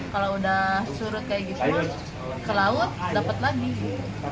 kalau udah surut kayak gitu ke laut dapet lagi